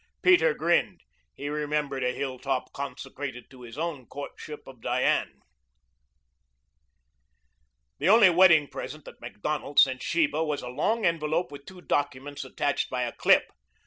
Peter grinned. He remembered a hilltop consecrated to his own courtship of Diane. The only wedding present that Macdonald sent Sheba was a long envelope with two documents attached by a clip.